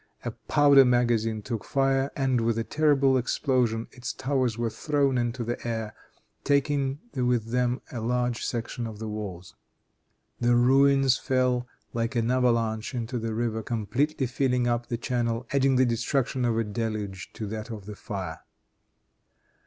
A powder magazine took fire, and with a terrible explosion its towers were thrown into the air, taking with them a large section of the walls. The ruins fell like an avalanche into the river, completely filling up its channel, adding the destruction of a deluge to that of the fire.